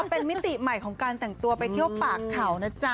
เป็นมิติใหม่ของการแต่งตัวไปเที่ยวปากเขานะจ๊ะ